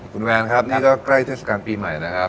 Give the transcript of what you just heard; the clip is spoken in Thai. คุณแวนครับนี่ก็ใกล้เทศกาลปีใหม่นะครับ